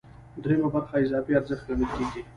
درېیمه برخه اضافي ارزښت ګڼل کېږي